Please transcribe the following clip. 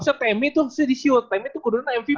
sebenernya temi tuh harusnya di show temi tuh kebetulan mvp